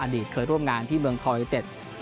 อดีตเคยร่วมงานที่เมืองทอยูเต็ด